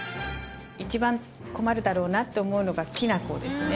いちばん困るだろうなって思うのがきな粉ですね。